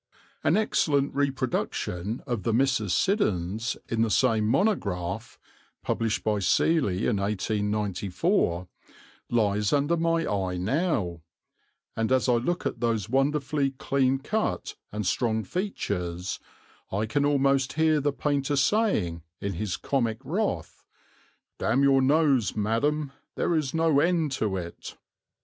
An excellent reproduction of the Mrs. Siddons, in the same monograph (Seeley 1894), lies under my eye now, and as I look at those wonderfully clean cut and strong features, I can almost hear the painter saying, in his comic wrath, "Damn your nose, madam, there is no end to it."